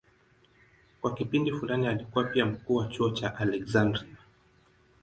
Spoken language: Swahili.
Kwa kipindi fulani alikuwa pia mkuu wa chuo cha Aleksandria.